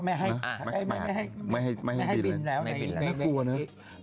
ไม่ให้ปีนแล้วน่ากลัวเนอะ